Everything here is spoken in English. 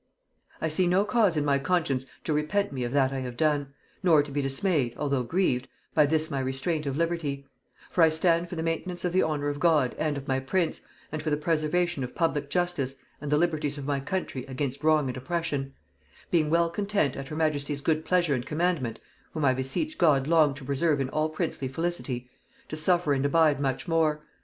"I see no cause in my conscience to repent me of that I have done, nor to be dismayed, although grieved, by this my restraint of liberty; for I stand for the maintenance of the honor of God and of my prince, and for the preservation of public justice and the liberties of my country against wrong and oppression; being well content, at her majesty's good pleasure and commandment, (whom I beseech God long to preserve in all princely felicity,) to suffer and abide much more.